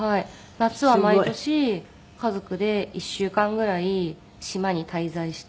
夏は毎年家族で１週間ぐらい島に滞在して。